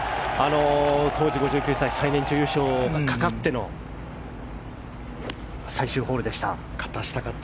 当時５９歳最年長優勝がかかっての最終ホールでした。